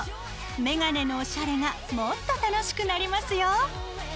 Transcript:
メガネのおしゃれがもっと楽しくなりますよ。